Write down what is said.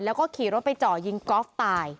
แล้วก็ขี่รถไปเจาะยิงกอล์ฟตาย